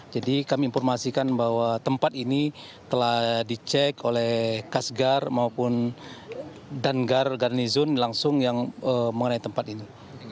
jadi kami informasikan bahwa tempat ini telah dicek oleh kasgar maupun dangar garnizon langsung yang mengenai tempat ini